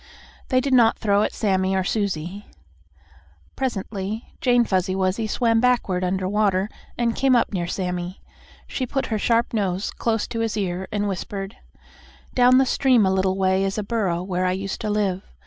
They did not throw at Sammie or Susie. Presently Jane Fuzzy Wuzzy swam backward under water and came up near Sammie. She put her sharp nose close to his ear and whispered: "Down stream a little way is a burrow where I used to live.